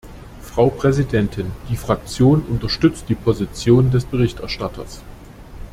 Frau Präsidentin, die Fraktion unterstützt die Position des Berichterstatters.